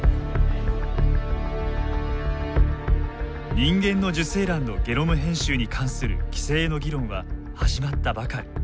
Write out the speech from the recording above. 人間の受精卵のゲノム編集に関する規制の議論は始まったばかり。